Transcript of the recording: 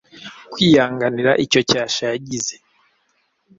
kwihanganira icyo cyasha yagize